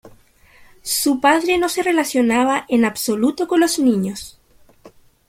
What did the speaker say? Su padre no se relacionaba en absoluto con los niños.